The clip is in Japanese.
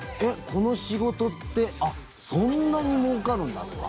この仕事ってあ、そんなにもうかるんだとか。